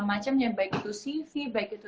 macamnya baik itu cv baik itu